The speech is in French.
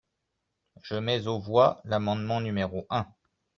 Je mets aux voix l’amendement numéro un.